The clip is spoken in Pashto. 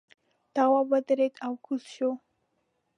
تواب ودرېد او کوږ شو.